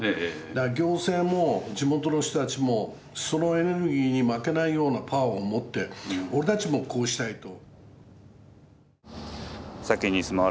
だから行政も地元の人たちもそのエネルギーに負けないようなパワーを持って俺たちもこうしたいと。